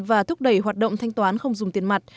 và thúc đẩy hoạt động thanh toán không dùng tiền mặt